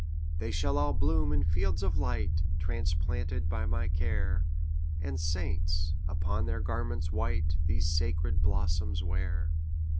``They shall all bloom in fields of light, Transplanted by my care, And saints, upon their garments white, These sacred blossoms wear.''